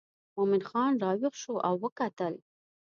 مومن خان راویښ شو او وکتل.